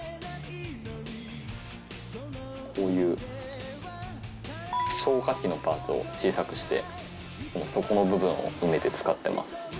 こういう消火器のパーツを小さくして底の部分を埋めて使ってます。